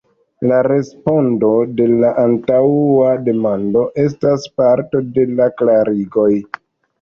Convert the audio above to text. La respondo al la antaŭa demando estas parto de la klarigoj.